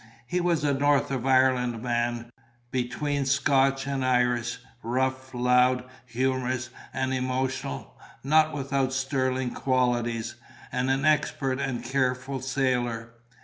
He was a north of Ireland man, between Scotch and Irish, rough, loud, humorous, and emotional, not without sterling qualities, and an expert and careful sailor.